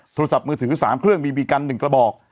โทรศัพท์มือถือ๓เครื่องบีบีกัน๑กระบอก